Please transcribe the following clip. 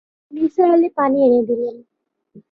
নিসার আলি পানি এনে দিলেন।